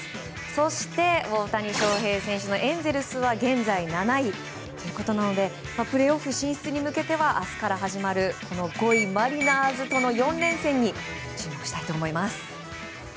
そして、大谷翔平選手のエンゼルスは現在７位ということなのでプレーオフ進出に向けては明日から始まる５位マリナーズとの４連戦に注目したいと思います。